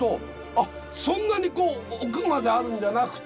あそんなに奥まであるんじゃなくて。